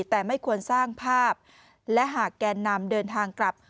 แต่ไม่ควรสร้างภาพและหากแกนนำเดินทางกลับ